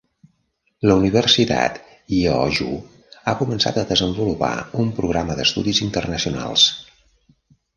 La Universitat Yeoju ha començat a desenvolupar un programa d'estudis internacionals.